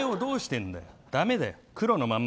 ダメだよ、黒のまんま。